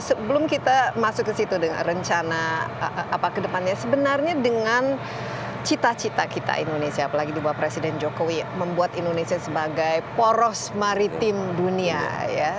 sebelum kita masuk ke situ dengan rencana apa kedepannya sebenarnya dengan cita cita kita indonesia apalagi dua presiden jokowi membuat indonesia sebagai poros maritim dunia ya